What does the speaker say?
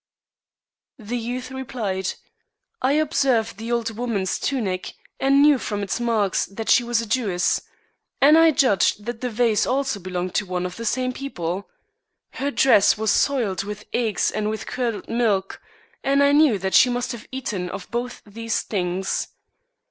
The youth OrietUal Mystery Stories replied, " I observed the old woman's tunic, and knew from its marks that she was a Jewess; and I judged that the vase also belonged to one of the same people. Her dress was soiled with eggs and with curdled milk; and I knew that she must have eaten of both these things.